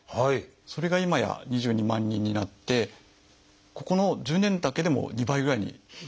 それが今や２２万人になってここの１０年だけでも２倍ぐらいに増えてます。